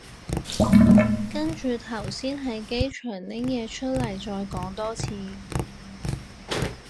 跟住頭先喺機場拎嘢出嚟再講多次